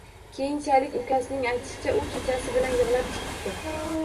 Keyinchalik ukasining aytishicha, u kechasi bilan yig`lab chiqibdi